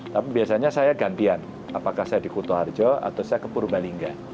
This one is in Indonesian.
tapi biasanya saya gantian apakah saya di kuto harjo atau saya ke purbalingga